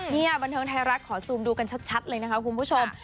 นี่บันเทิงไทยรัฐขอซูมดูกันชัดเลยนะคะคุณผู้ชม